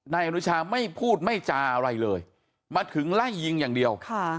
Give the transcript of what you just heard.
นายอนุชาไม่พูดไม่จาอะไรเลยมาถึงไล่ยิงอย่างเดียว